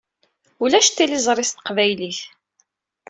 Ulac tiliẓri s teqbaylit.